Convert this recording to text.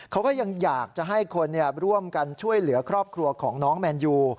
เขาก็ยังอยากจะให้คนร่วมกันช่วยเหลือครอบครัวของน้องแมนยู